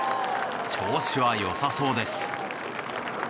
調子は良さそうです。